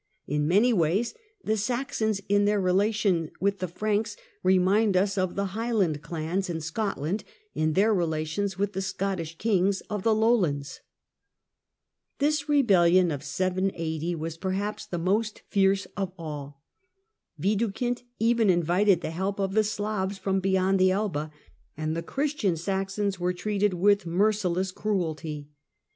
In many ways the Saxons, in their re lation with the Franks, remind us of the Highland clans in Scotland in their relations with the Scottish kings of the Lowlands. This rebellion of 780 was perhaps the most fierce of 780 all. Widukind even invited the help of the Slavs from beyond the Elbe, and the Christian Saxons were treated 158 THE DAWN OF MEDIEVAL EUROPE with merciless cruelty.